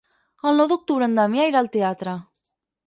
El nou d'octubre en Damià irà al teatre.